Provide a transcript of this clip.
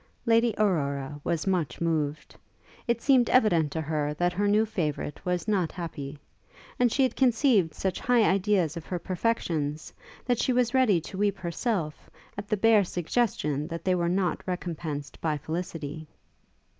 Lady Aurora was much moved. It seemed evident to her that her new favourite was not happy; and she had conceived such high ideas of her perfections, that she was ready to weep herself, at the bare suggestion that they were not recompensed by felicity.